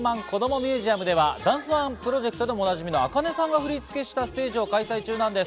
ミュージアムではダンスＯＮＥプロジェクトでもおなじみのａｋａｎｅさんが振り付けしたステージを開催中です。